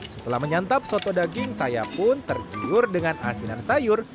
setelah menyantap soto daging saya pun tergiur dengan asinan sayur